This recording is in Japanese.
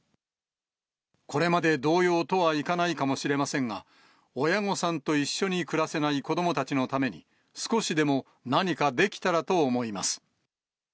これまで同様とはいかないかもしれませんが、親御さんと一緒に暮らせない子どもたちのために、少しでも何かできたらと思います。